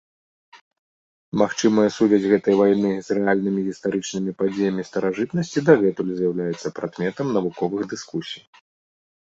Магчымая сувязь гэтай вайны з рэальнымі гістарычнымі падзеямі старажытнасці дагэтуль з'яўляецца прадметам навуковых дыскусій.